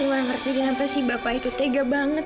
aku gak ngerti kenapa si bapak itu tega banget